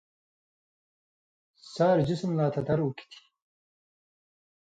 سار جِسمہ لا تھتر اُکی تھی